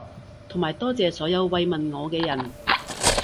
同埋多謝所有慰問我嘅人